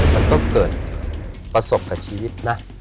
มันต้องเกิดประสบความชีวิตนะ